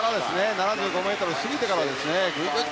７５ｍを過ぎてからですね。